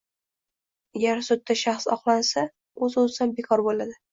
Agar sudda shaxs oqlansa, o‘z-o‘zidan bekor bo‘ladi.